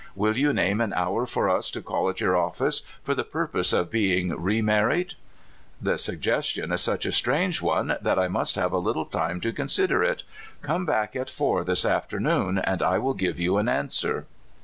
Will you name an hour for us to call at your office for the purpose of being re married ?"" The suggestion is such a strange one that I must have a little time to consider it. Come back at four this afternoon, and I will give you an answer."